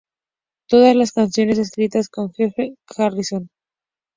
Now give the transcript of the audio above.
Todas las canciones escritas por George Harrison.